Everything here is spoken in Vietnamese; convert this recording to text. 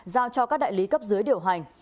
giao cho các đại lý cấp dưới điều hành